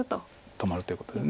止まるということです。